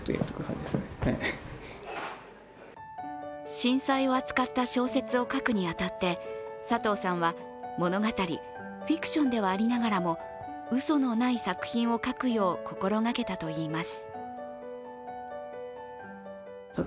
震災を扱った小説を書くに当たって物語、フィクションではありながらも嘘のない作品を書くよう心がけたといいます。